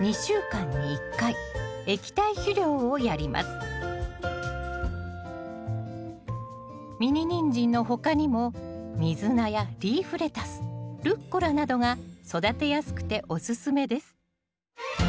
追肥はミニニンジンの他にもミズナやリーフレタスルッコラなどが育てやすくておすすめです。